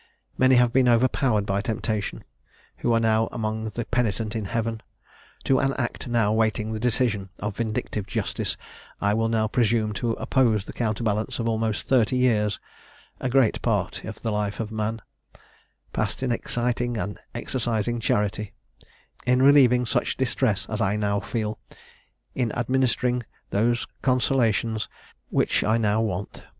Many have been overpowered by temptation, who are now among the penitent in heaven! To an act now waiting the decision of vindictive justice I will now presume to oppose the counterbalance of almost thirty years (a great part of the life of man) passed in exciting and exercising charity in relieving such distresses as I now feel in administering those consolations which I now want.